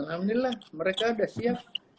dan alhamdulillah mereka sudah siap